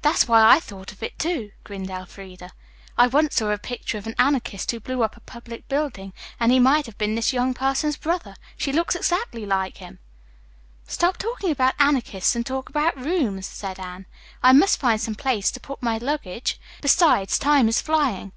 "That's why I thought of it, too," grinned Elfreda. "I once saw a picture of an anarchist who blew up a public building and he might have been this young person's brother. She looks exactly like him." "Stop talking about anarchists and talk about rooms," said Anne. "I must find some place to put my luggage. Besides, time is flying.